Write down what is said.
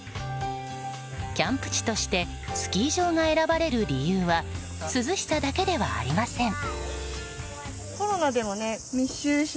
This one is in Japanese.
キャンプ地としてスキー場が選ばれる理由は涼しさだけではありません。